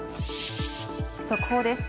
速報です。